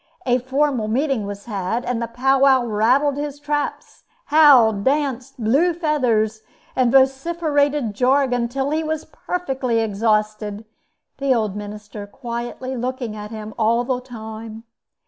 A formal meeting was had, and the pow wow rattled his traps, howled, danced, blew feathers, and vociferated jargon until he was perfectly exhausted, the old minister quietly looking at him all the time.